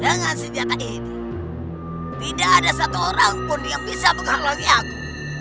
dengan senjata ini tidak ada satu orang pun yang bisa menghalangi aku